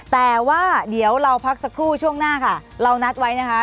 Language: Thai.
แต่ว่าเดี๋ยวเราพักสักครู่ช่วงหน้าค่ะเรานัดไว้นะคะ